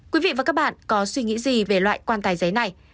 quý vị và các bạn có suy nghĩ gì về loại quan tài giấy này